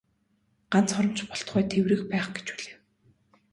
Ганц хором ч болтугай тэврэх байх гэж хүлээв.